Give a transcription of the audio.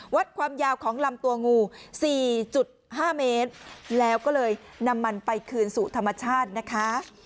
วัดความยาวของลำตัวงู๔๕เมตรแล้วก็เลยนำมันไปคืนสู่ธรรมชาตินะคะ